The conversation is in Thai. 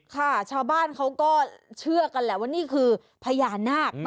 ค่ะชาวบ้านเขาก็เชื่อกันแหละว่านี่คือพญานาค